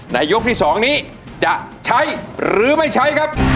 ยกที่๒นี้จะใช้หรือไม่ใช้ครับ